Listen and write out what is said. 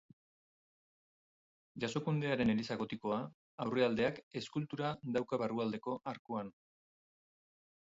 Jasokundearen eliza gotikoa, aurrealdeak eskultura dauka barrualdeko arkuan.